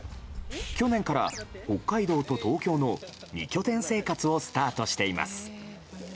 去年から北海道と東京の２拠点生活をスタートしています。